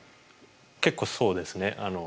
結構そうですね。